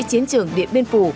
chiến trường điện biên phủ